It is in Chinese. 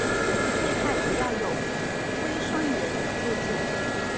液态主要有硅酸盐等物质。